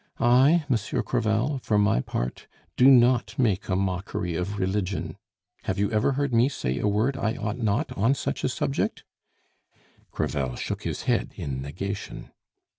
I, Monsieur Crevel, for my part, do not make a mockery of religion. Have you ever heard me say a word I ought not on such a subject?" Crevel shook his head in negation.